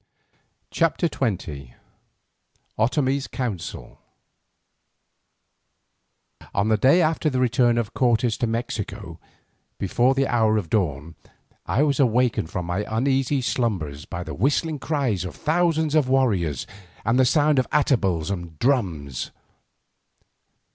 CHAPTER XX OTOMIE'S COUNSEL On the day after the return of Cortes to Mexico, before the hour of dawn I was awakened from my uneasy slumbers by the whistling cries of thousands of warriors and the sound of atabals and drums.